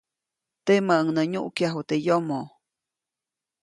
Temäʼuŋ nä nyuʼkyaju teʼ yomo.